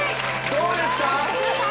どうですか？